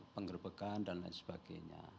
pengerbekan dan lain sebagainya